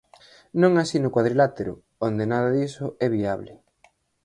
Non así no cuadrilátero, onde nada diso é viable.